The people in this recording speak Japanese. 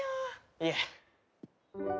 いえ。